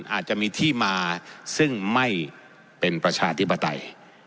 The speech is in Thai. อาจจะมีที่มาซึ่งไม่เป็นประชาธิปไตย